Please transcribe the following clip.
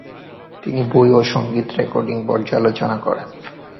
তিনি বই এবং সঙ্গীত রেকর্ডিং পর্যালোচনা করেন।